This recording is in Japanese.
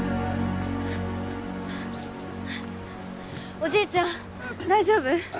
おじいちゃん大丈夫？